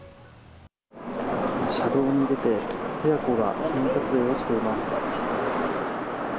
車道に出て、親子が記念撮影をしています。